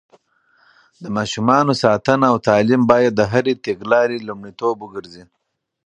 د ماشومانو ساتنه او تعليم بايد د هرې تګلارې لومړيتوب وګرځي.